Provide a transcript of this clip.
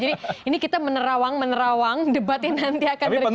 jadi ini kita menerawang menerawang debat yang nanti akan terjadi